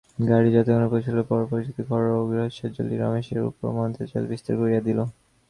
গাড়ি যথাস্থানে পৌঁছিলে পর পরিচিত ঘর ও গৃহসজ্জাগুলি রমেশের উপর মন্ত্রজাল বিস্তার করিয়া দিল।